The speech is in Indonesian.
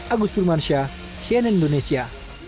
agus firmansyah cnn indonesia